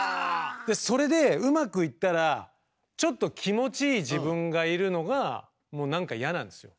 でそれでうまくいったらちょっと気持ちいい自分がいるのがもう何か嫌なんですよ。